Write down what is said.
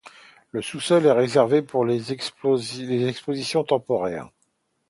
Le sous-sol est réservé pour les expositions temporaires.